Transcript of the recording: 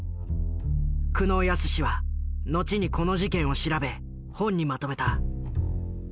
久能靖は後にこの事件を調べ本にまとめた。